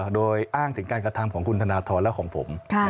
โดยอ้างถึงการกระทำของคุณธนทรและของผม